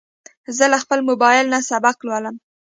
زه له خپل موبایل نه سبق لولم.